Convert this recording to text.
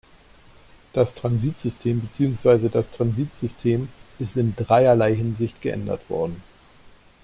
Das Transitsystem beziehungsweise das transit-system ist in dreierlei Hinsicht geändert worden.